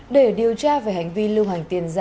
để điều tra về hành vi lưu hành tiền